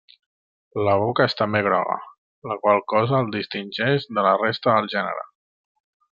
La boca és també groga, la qual cosa el distingeix de la resta del gènere.